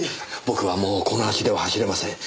僕はもうこの足では走れません。